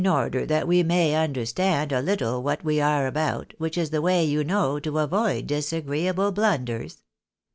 67 order that we may understan(^ little what we are about, which is the way, you know, to avoid disagreeable blunders.